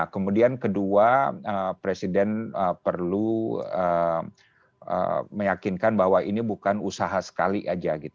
kemudian kedua presiden perlu meyakinkan bahwa ini bukan usaha sekali saja